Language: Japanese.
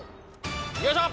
よいしょ！